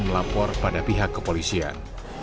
melapor pada pihak kepolisian